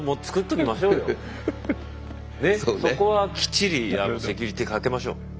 ねそこはきっちりセキュリティーかけましょう。